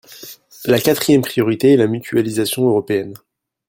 La quatrième priorité est la mutualisation européenne.